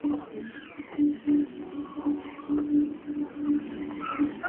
No contó con más oportunidades en su paso por el club italiano.